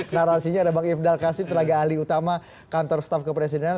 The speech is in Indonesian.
narasinya ada bang ifdal kasim tenaga ahli utama kantor staf kepresidenan